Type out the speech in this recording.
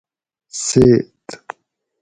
سیت